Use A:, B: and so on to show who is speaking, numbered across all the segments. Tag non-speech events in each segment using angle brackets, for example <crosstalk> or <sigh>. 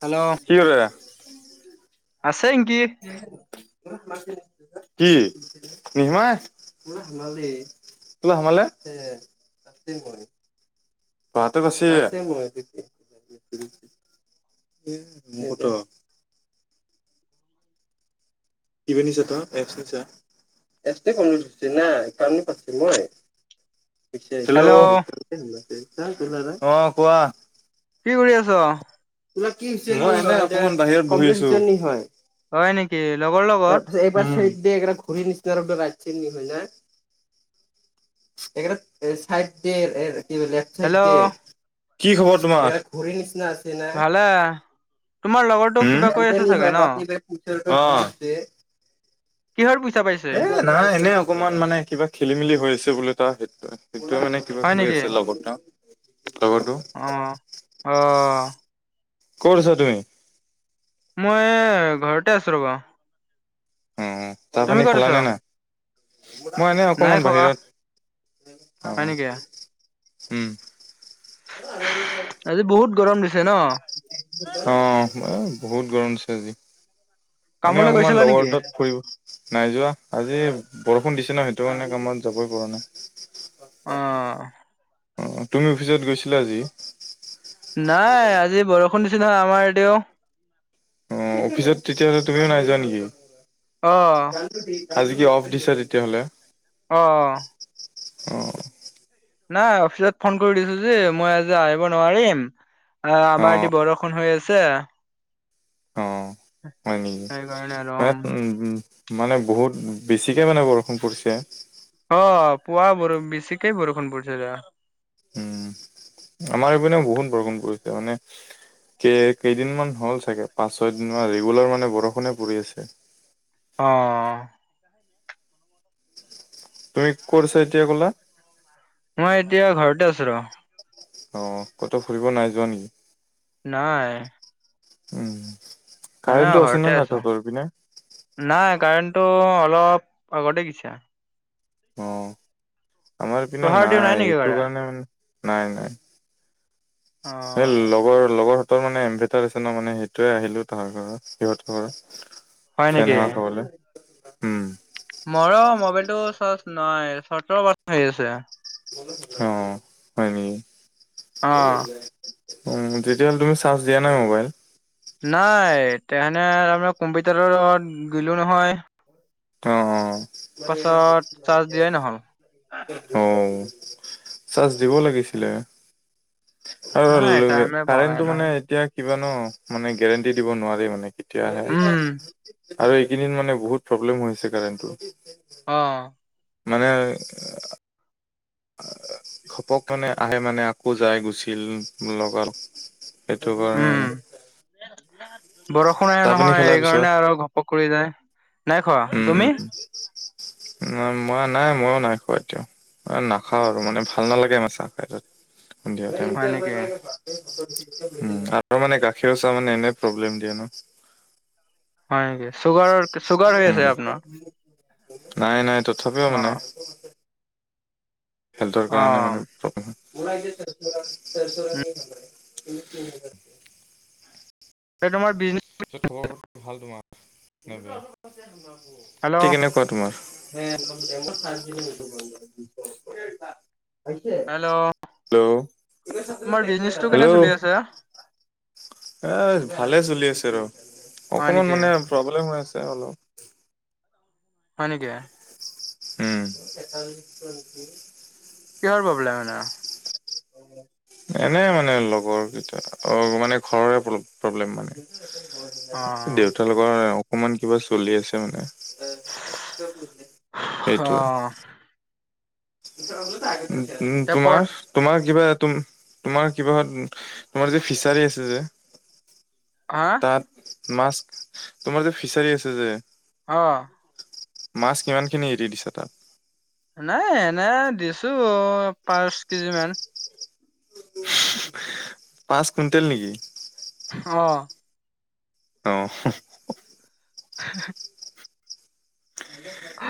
A: Hello
B: কি কৰে
A: আছে এনকি।
B: কি নিমাই। কিবা সোমালে। বাতে পাচি। উম ত। টিভি নিছা ত এছ নিচা। <unintelligible> হেল্ল ' অঁ, কোৱা?
A: কি কৰি আছ?
B: মই এনে অকমান বাহিৰত বহি আছো।
A: হয় নেকি? লগৰ লগত।
B: এক ঘূৰি নিচি <unintelligible> ৰাজি নি হয় না। এইকেইটাক চাইড দে কি বুলি
A: হেল্ল'
B: কি খবৰ তোমাৰ? ঘৰিৰ নিচিনা আছে না।
A: য়া তোমাৰ লগৰ
B: উম, অঁ।
A: কিহৰ পইচা পাইছে?
B: নাই এনে অকনমান মানে কিবা খেলি মেলি হৈ আছে বোলে তাৰ সেইটোয়ে সেইটোয়ে মানে কিবা
A: হয়
B: কৈ
A: নেকি
B: আছে লগত লগৰটো।
A: অ। অ
B: ক'ত আছা তুমি?
A: মই ঘৰতে আছো ৰ'বা।
B: উম' চাহ
A: তুমি
B: পানী
A: ক'ত আছ?
B: খালানে নাই? মই এনেই
A: নাই
B: অকণমান
A: খোৱা
B: বাহিৰত অ'
A: হয় নেকি
B: উম'।
A: আজি বহুত গৰম দিছে ন'?
B: অ' বহুত গৰম দিছে আজি এনে
A: কামলৈ
B: অকমান
A: গৈছিলা
B: লগৰ
A: নেকি?
B: তাত ফুৰিব নাই যোৱা আজি বৰষুণ দিছে ন' সেইটো কাৰণে কামত যাবই পৰা নাই।
A: অঁ '।
B: অঁ' তুমি অফিচত গৈছিলা আজি?
A: নাই আজি বৰষুণ দিছি নহয় আমাৰ এতিয়াও।
B: অ' অফিচত তেতিয়াহ'লে তুমিও নাই যোৱা নেকি?
A: অঁ'।
B: আজি কি অফ দিছে তেতিয়াহ'লে?
A: অ'
B: অ
A: নাই, অফিচত ফোন কৰি দিছো যে মই আজি আহিব নোৱাৰিম আহ,
B: অ
A: আমাৰ এতি বৰষুণ হৈ আছে।
B: অ' হয় নেকি?
A: সেইকাৰণে আৰু
B: মানে, বহুত বেছিকে মানে বৰষুণ পৰিছে।
A: অ' পুৱা বৰ বেছিকেই বৰষুণ পৰিছিলে।
B: উম! আমাৰ এইপিনেও বহুত বৰষুণ পৰিছে। মানে কেই কেইদিনমান হ'ল চাগে পাঁচ-ছয়দিনমান, ৰেগুলাৰ মানে বৰষুণে পৰি আছে।
A: অ, অ
B: তুমি কত আছা এতিয়া ক'লা?
A: মই, এতিয়া ঘৰতে আছো ৰ!
B: অ' ক'তো ফুৰিব নাই যোৱা নিকি?
A: নাই
B: উম!
A: এনে
B: কাৰেণ্টটো আছে
A: ঘৰতে
B: নে নাই
A: আছো
B: তহঁতৰ সেইপিনে?
A: নাই, কাৰেণ্টটো অলপ আগতেই গেইছা।
B: অ আমাৰ পিনেও
A: তোহাৰ দিও
B: নাই,
A: নেকি
B: সেইটো
A: কাৰেণ্ট
B: কাৰণে মানে নাই নাই।
A: অ
B: এ, লগৰ লগৰ তৰ মানে এমভেটাৰ আছে ন' মানে সেইটোৱে আহিলো তাহাৰ ঘৰত, সিহতৰ ঘৰত।
A: হয়
B: ফেন
A: নেকি
B: হাৱা খাবলে। উম!
A: মৰ মোবাইলটো চাৰ্জ নাই, চতৰ পাৰ্চেন আছে।
B: অ' হয় নেকি?
A: অ
B: উম! তেতিয়াহ'লে তুমি চাৰ্জ দিয়া নাই মোবাইল?
A: নাই, তেহেনেৰ তাৰমানে কম্পিউটাৰত গিলো নহয়।
B: অ', অ'
A: পাছত, চাৰ্জ দিয়াই নহ'ল।
B: অ, চাৰ্জ দিব লাগিছিলে।
A: নাই
B: আৰু
A: টাইমে পোৱা নাই
B: কাৰেণ্টটো মানে
A: নহয়
B: এতিয়া কিবা ন, মানে গেৰেণ্টি দিব নোৱাৰি মানে কেতিয়া আহে।
A: উম
B: আৰু, এইকেইদিন মানে বহুত প্ৰব্লেম হৈছে কাৰেণ্টটো।
A: অঁ!
B: মানে ঘপক মানে আহে মানে, আকৌ যাই গুচিল লগত সেইটো কাৰণে মানে
A: <unintelligible> বৰষুণ এৰা
B: চাহ পানী
A: নহয়!
B: খেলাৰ
A: এই
B: পিছত
A: কাৰণে আৰু ঘপক কৰি যায়, নাই খোৱা। তুমি?
B: ন মই নাই, ময়ো নাই খোৱা এতিয়া। অ, নাখাওঁ আৰু মানে ভাল নালাগে আমাৰ চাহ খাই। সন্ধিয়া
A: হয়
B: টাইমত,
A: নেকি?
B: আকৌ মানে গাখীৰ চাহ মানে এনে প্ৰব্লেম। <unintelligible>
A: হয় নেকি! চুগাৰৰ চুগাৰ হৈ
B: উম
A: আছে আপোনাৰ?
B: নাই, নাই তথাপিও মানে
A: অ',
B: হেল্থৰ কাৰণে মানে।
A: অ', উম।
B: <unintelligible>
A: এই, তোমাৰ বিজনে
B: সেই খবৰবোৰ ভাল তোমাৰ? এতিয়া
A: হেল্ল'
B: কেনেকোৱা তোমাৰ <unintelligible> হেল্ল'
A: তোমাৰ বিজনেচটো কেনে চলি
B: হেল্ল'
A: আছে?
B: এ ভালে চলি আছে ৰ
A: হয়
B: অকমান
A: নেকি?
B: মানে প্ৰব্লেম হৈ আছে অলপ।
A: হয় নেকি?
B: উম।
A: কিহৰ প্ৰব্লেম হয় ন?
B: এনে মানে লগৰ কেইটা অ মানে ঘৰৰে প্ৰব্লেম মানে।
A: অ'।
B: দেউতা লগ আ অকমান কিবা চলি আছে মানে সেইটোৱে।
A: অ
B: উম উ
A: টেপৰ
B: তোমাৰ? তোমাৰ কিবা তো তোমাৰ কিবাহত তোমাৰ যে ফিচাৰী আছে যে
A: হা?
B: তাত মাছ তোমাৰ যে ফিচাৰী আছে যে
A: অ
B: মাছ কিমানখিনি এৰি দিছ তাত?
A: নাই এনে দিছো পাঁচ কেজি মান।
B: হু হু পাঁচ কুইণ্টেল নেকি?
A: অ
B: অ হ
A: হে হে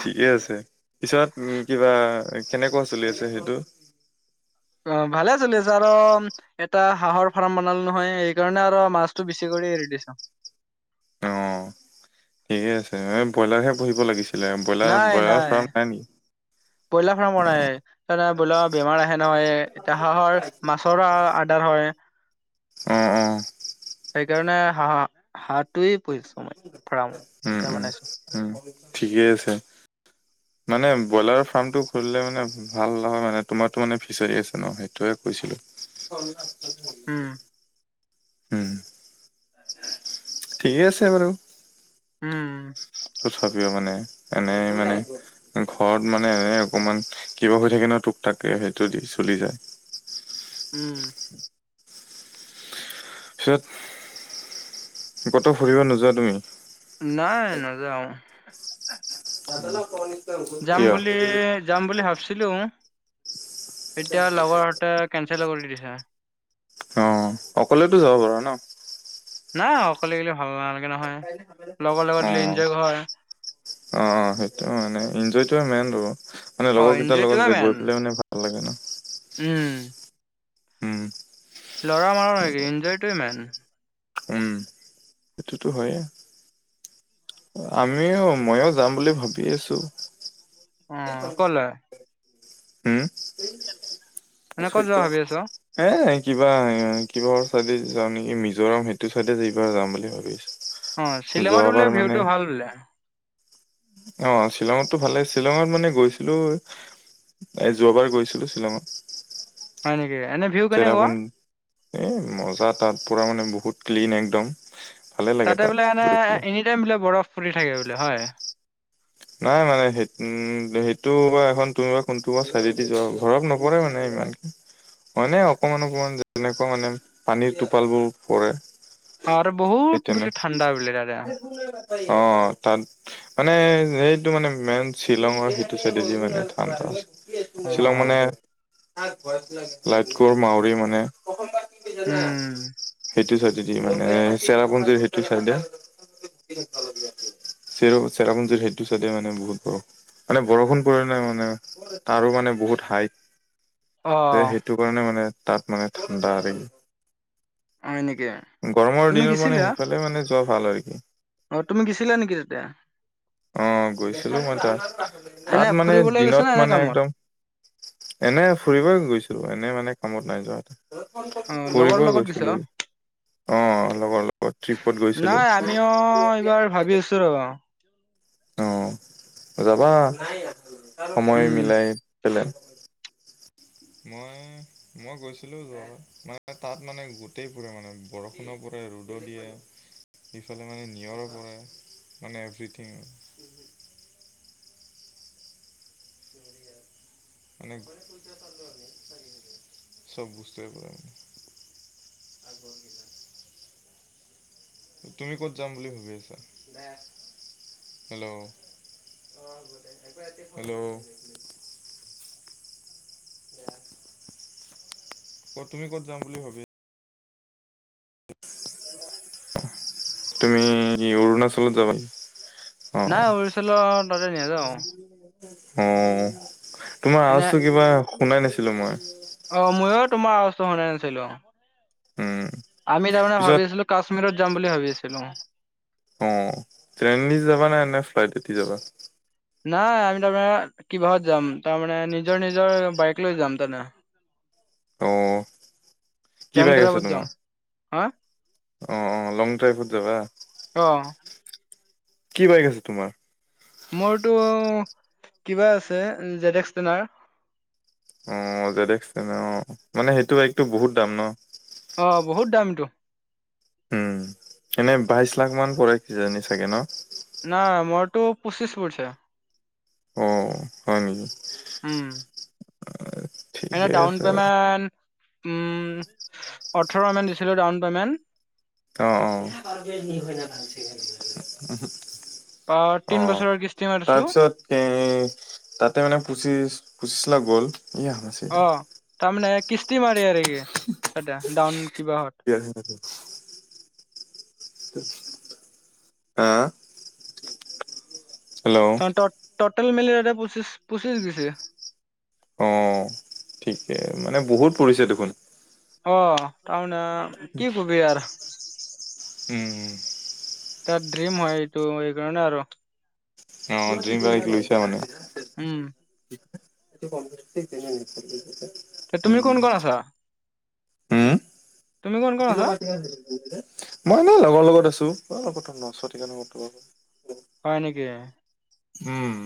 B: ঠিকে আছে পিছত উম কিবা কেনেকোৱা চলি আছে সেইটো?
A: অ ভালে চলি আছে আৰু এটা হাঁহৰ ফাৰ্ম বনালো নহয় সেইকাৰণে আৰু মাছটো বেছি কৰি এৰি দিছো।
B: অ ঠিকে আছে এ ব্ৰইলাৰহে পোহিব লাগিছিল। ব্ৰইলা ব্ৰইলাৰ ফাৰ্ম নাই নেকি?
A: ব্ৰইলাৰ ফাৰ্ম বনাইয়ে তাত আক ব্ৰইলাৰৰ বেমাৰ আহে নহয় এ এতিয়া হাঁহৰ মাছ ৰো আৰ্ডাৰ হয়।
B: অ অ
A: সেইকাৰণে হাঁহ হাঁহটোৱে পুহিছো মই ফাৰ্মত
B: উম
A: এতিয়া
B: উম
A: বনাইছো।
B: উম ঠিকেই আছে মানে ব্ৰইলাৰৰ ফাৰ্মটো খুলিলে মানে ভাল নহয় মানে তোমাৰতো মানে ফিচাৰি আছে ন সেইটোয়ে কৈছিলো।
A: উম
B: ঠিকেই আছে বাৰু।
A: উম
B: তথাপিও মানে এনেই মানে ঘৰত মানে এনে অকমান কিবা হৈ থাকে ন টোক টাককে সেইটো দি চলি যায়
A: উম
B: পিছত কতো ফুৰিব নোযোৱা তুমি?
A: নাই নযাও যাম
B: কিয়
A: বুলি যাম বুলি ভাবিছিলো এতিয়া লগৰহঁতে কেঞ্চেলো কৰি দিছে
B: অ অকলেতো যাব পাৰ ন
A: নাই অকলে গ'লে ভাল নালাগে নহয় লগৰ লগত দিলে এঞ্জয় হয়
B: অ অ সেইটো মানে এঞ্জয়টোয়ে মেইন আৰু মানে
A: অ
B: লগৰ কেইটাৰ
A: এনজয়টোৱে
B: লগত
A: মেইন
B: গৈ পেলাই মানে ভাল ভাল লাগে ন।
A: উম।
B: উম
A: ল'ৰা মাৰ নেকি ইঞ্জয়টোৱে মেন।
B: উম। সেটোতো হয়ে। আমিও মইয়ো যাম বুলি ভাবি আছো।
A: অ ক'লে? মানে ক'ত
B: খৈত
A: যোৱা ভাবি আছ
B: এ কিবা কিবাৰ চাইডে যাওঁ নেকি মিজোৰাম সেইটো চাইডে এইবাৰ যাম বুলি ভাবি আছো।
A: অ শ্বিলঙত বোলে ভিউটো ভাল বোলে।
B: অ শ্বিলঙতো ভাল লাগে শ্বিলঙত মানে গৈছিলোঁ। এই যোৱাবাৰ গৈছিলো শ্বিলঙত।
A: হয় নেকি? এনে ভিউ কেনে কৰ?
B: চেৰাপুঞ্জী এ মজা তাত পুৰা মানে বহুত ক্লিন একদম। ভালে লাগে
A: তাতে
B: তাত
A: বোলে এনে
B: গৈ পেলাই
A: এনি টাইম বোলে বৰফ পৰি থাকে বোলে হয়?
B: নাই মানে সেইট উম সেইটো বা এখন তুমি বা কোনটোবা চাইদি যোৱা ঘৰত ন নপৰে মানে ইমান। হয় নে অকমান অকমান যেনেকুৱা মানে পানীৰ টোপাল বোৰ পৰে।
A: আৰ
B: সেই
A: বহুত
B: তেনে
A: বুলি ঠাণ্ডা বোলে তাতে।
B: অ তাত মানে এইটো মানে মেইন শ্বিলঙৰ সিটো চাইদি মানে ঠাণ্ডা আছ শ্বিলং মানে
A: অ',
B: <unintelligible> লাইটকোৰ মাউৰি মানে
A: উম,
B: <unintelligible> সেইটো চাইডেদি মানে চেৰাপুঞ্জিৰ সেইটো চাইডে চেৰাপুঞ্জিৰ সেটো চাইডে মানে বহুত বৰফ। মানে বৰষুণ পৰে ন মানে তাৰো মানে বহুত হাইট যে
A: অ',
B: সেইটো কাৰণে মানে তাত মানে ঠাণ্ডা
A: হয় নেকি
B: আৰেগি। গৰমৰ
A: তুমি
B: দিনত মানে
A: গেছিলা
B: সেইফালে মানে যোৱা ভাল আৰু কি।
A: অ তুমি গিছিলা নেকি তাতে।
B: অ গৈছিলো মই তাত
A: এনে
B: তাত মানে
A: ফুৰিবলৈ গৈছা
B: দিনত
A: নে এনে
B: মানে
A: কামত
B: একদম এনে ফুৰিবই গৈছিলো এনে মানে কামত নাই যোৱা তাতে।
A: অ',
B: <unintelligible>
A: লগৰ
B: ফুৰিবই
A: লগত গৈছ?
B: গৈছিলো। অ লগৰ লগত ট্ৰিপত গৈছিলো।
A: নাই আমিও এইবাৰ ভাবি আছো ৰ অ।
B: অ যাবা <unintelligible> সময়
A: উম,
B: মিলাই পেলে। মই মই গৈছিলো যোৱা মানে তাত মানে গোটেই ফুৰে মানে। বৰষুণো পৰে ৰ'দো দিয়ে। ইফালে মানে নিয়ৰৰ পৰে মানে এভ্ৰথিঙৰ। <unintelligible> চব বস্তুৱে পৰে মানে আগৰ গিলা তুমি ক'ত যাম বুলি ভাবি আছা <unintelligible> হেল্ল' <unintelligible> হেল্ল' <unintelligible> ক'ত তুমি ক'ত যাম বুলি ভাবি তুমি কি অৰুণাচলত যাবাই।
A: নাই অৰুচলত তাতে নেযাওঁ।
B: অ তোমাৰ
A: এনে
B: আৱাজটো কিবা শুনাই নাছিলো মই।
A: অ ময়ো তোমাৰ অৱস্তো শুনাই নাছিলো
B: উম
A: আমি তাৰমানে
B: পিছত
A: ভাবি আছিলো কাশ্মীৰত যাম বুলি ভাবি আছিলো।
B: অ ট্ৰেইনেদি যাবা নে নে ফ্লাইট এ দি যাবা।
A: নাই আমি তাৰমানে কিবাহত যাম তাৰমানে নিজৰ নিজৰ বাইক লৈ যাম তামানে
B: অ কি
A: লং
B: বায়েক আছে
A: ড্ৰাইভত যাম হা
B: তোমাৰ অ অ লং ড্ৰাইভত যাবা।
A: অ
B: কি বাই গ আছে তোমাৰ
A: মোৰতো কিবা আছে জেডেক্স টেনাৰ
B: অ জেডেক্সটেনাৰ অ মানে সেইটো বাইকটো বহুত দাম ন
A: অঁ বহুত দামটো
B: উম এনেই বাইশ লাখ মান পৰে কিজানি চাগে ন
A: নাই মইৰটো পঁচিছ পৰিছে
B: অ হয় নেকি
A: উম এনে
B: ঠিকে
A: ডাউন
B: আছে
A: পেমেণ্ট উ ওঠৰৰ মান দিছিলো ডাউন পেমেণ্ট
B: অ অ
A: অ তিন
B: অ',
A: বছৰৰ কিস্তি মাৰিছো
B: তাৰপিছত এ তাতে মানে পুচিছ পঁচিছ লাখ গ'ল
A: অ তাৰমানে কিস্তি মাৰি আৰু কি তাতে ডাৱন কিবাহত
B: <inaudible> হাআ হেল্ল'
A: অ টোটেল মিলাই মেলি এ পচিছ পঁচিছ গছে
B: অঁ ঠিকে মানে বহুত পৰিছে দেখোন
A: অ তাৰমানে কি কবি আৰু
B: উম
A: তাৰ ড্ৰিম হয় এইটো এই কাৰণে আৰু
B: অ ড্ৰীম বাইক লৈছে মানে
A: উম
B: টো কম বছ তেনে ন <inaudible>
A: তুমি কোন কোন আছা তুমি কোন কোন
B: কিল
A: আছা
B: পাটি <inaudible> মই ন লগৰ লগত আছো প্ৰথম <inaudible>
A: হয় নেকি
B: উম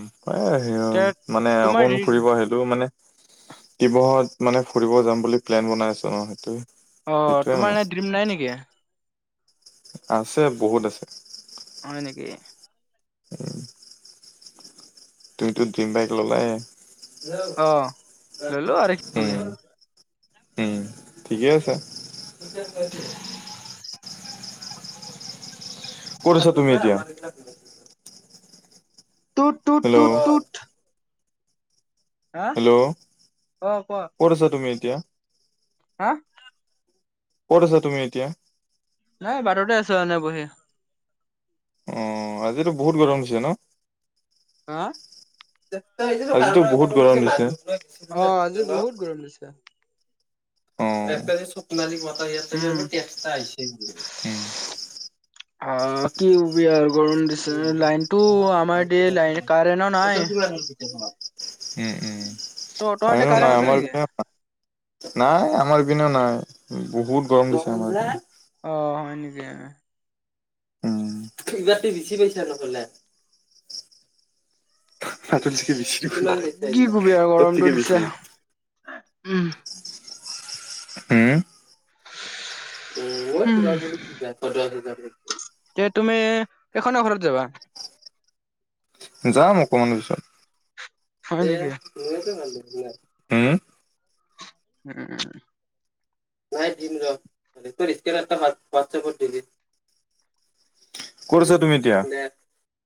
A: তে
B: মানে
A: তোমাৰ
B: অকমান ফুৰিব আহিলো এইটো মানে শিৱসাগৰত মানে ফুৰিব যাম বুলি প্লেন বনাই আছো ন সেইটোৱে
A: অ
B: সেইটোৱে
A: তোমাৰ
B: মানে।
A: এনে ড্ৰিম নাই নেকি
B: আছে বহুত আছে
A: হয় নেকি
B: উম তুমিতো ড্ৰিম বাইক ললায়ে
A: অ ললো আৰু কি কবি
B: উম উম ঠিকেই আছে কত আছা তুমি এতিয়া
A: টুটু টু
B: হেল্ল'
A: টুত
B: হেল্ল',
A: অ কোৱা
B: কত আছা তুমি এতিয়া।
A: হা,
B: ক'ত আছা তুমি এতিয়া।
A: নাই বাটতে আছো এনে বহি।
B: অ আজিতো বহুত গৰম হৈছে ন।
A: হা,
B: আজিতো বহুত গৰম দিছে।
A: অ আজি বহুত গৰম দিছে।
B: অ <unintelligible>
A: উম
B: আহিছে।
A: অ কি কবিআও গম দিছে লাইনটো আমাৰ দে লাইন কাৰেন্টো নাই।
B: উম উম
A: ত তহঁতে
B: আৰু
A: কাৰেণ্ট
B: নাই
A: আছে
B: আমাৰ
A: নেকি
B: নাই আমাৰ ইপিনেও নাই বহুত গৰম দিছে আমাৰ ইপিনে।
A: অ হয় নেকি হয়।
B: উম <unintelligible>
A: কি কবি আৰু গৰমটো দিছে
B: <unintelligible>
A: উম
B: হ'ম, উম
A: হুম,
B: পুৰা বুলি যা চজ হাজাৰ,
A: এতিয়া তুমি এই খনেৰ ঘৰত যাবা।
B: যাম অকমান পিছত
A: হয় নেকি?
B: উম,
A: উম
B: নাই দিম ৰ তোৰ স্কেনাৰ খন ওৱাটছাএপত দি দিম। ক'ত আছা তুমি এতিয়া।